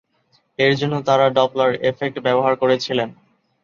এর জন্য তারা ডপলার এফেক্ট ব্যবহার করেছিলেন।